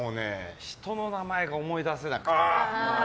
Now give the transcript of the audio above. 人の名前が思い出せなくて。